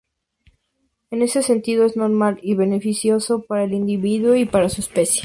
En ese sentido, es normal y beneficioso para el individuo y para su especie.